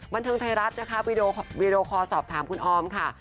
บันเทิงไทยรัฐนะคะวีดีโอคอลสอบถามคุณออมค่ะ